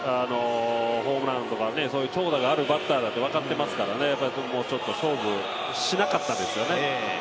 ホームランとか、そういう長打があるバッターだって分かっていますから、勝負しなかったですね。